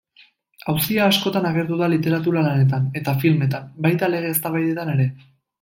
Auzia askotan agertu da literatura-lanetan eta filmetan, baita lege-eztabaidetan ere.